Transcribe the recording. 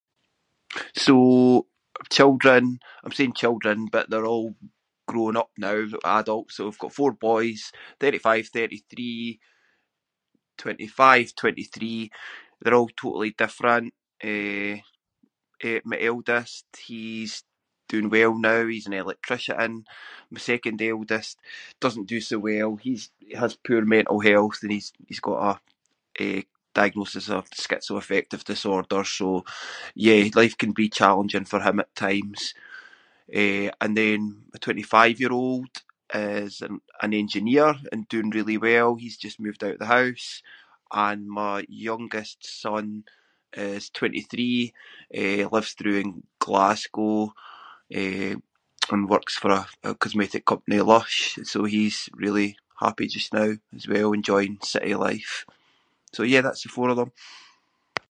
So, children- I’m saying children but they’re all grown up now, adults. So I’ve got four boys: thirty-five, thirty-three, twenty-five, twenty-three. They’re all totally different. Eh, eh, my eldest- he’s doing well now, he’s an electrician. My second eldest doesn’t do so well, he’s- has poor mental health and he’s- he's got a, eh, diagnosis of schizoaffective disorder, so, yeah, life can be challenging for him at times. Eh, and then my twenty-five-year-old is an- an engineer and doing really well. He’s just moved out the house. And my youngest son is twenty-three, eh, lives through in Glasgow, eh, and works for a- a cosmetic company Lush, so he’s really happy just now as well enjoying city life. So yeah, that’s the four of them.